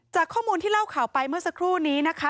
ข้อมูลที่เล่าข่าวไปเมื่อสักครู่นี้นะคะ